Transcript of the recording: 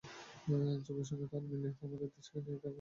যুগের সঙ্গে তাল মিলিয়ে তোমরাই দেশকে এগিয়ে নিতে অগ্রণী ভূমিকা রাখবে।